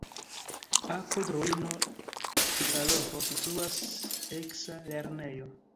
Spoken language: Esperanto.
Apud ruino de paroĥo situas eksa lernejo.